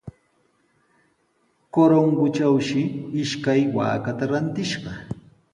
Corongotrawshi ishkay waakata rantishqa.